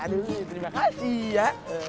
aduh terima kasih ya